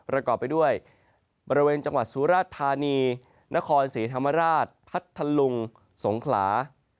ประกอบไปด้วยบริเวณจังหวัดสุราชธานีนครศรีธรรมราชพัทธลุงสงขลา